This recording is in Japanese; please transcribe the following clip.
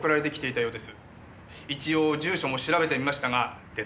一応住所も調べてみましたがでたらめでした。